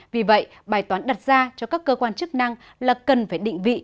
vì vậy bài toán đặt ra cho các cơ quan chức năng là cần phải định vị